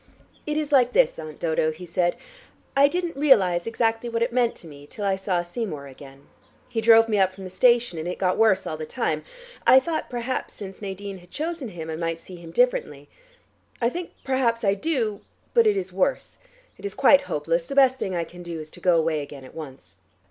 "It is like this, Aunt Dodo," he said. "I didn't realize exactly what it meant to me till I saw Seymour again. He drove me up from the station, and it got worse all the time. I thought perhaps since Nadine had chosen him, I might see him differently. I think perhaps I do, but it is worse. It is quite hopeless: the best thing I can do is to go away again at once."